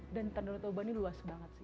dan tanda toba ini luas banget sih